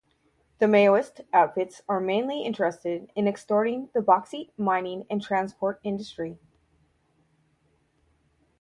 The Maoist outfits are mainly interested in extorting the bauxite mining and transport industry.